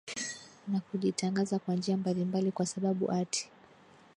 na kujitangaza kwa njia mbalimbali kwa sababu ati